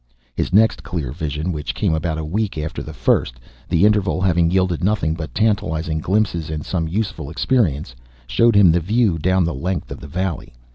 His next clear vision, which came about a week after the first, the interval having yielded nothing but tantalising glimpses and some useful experience, showed him the view down the length of the valley.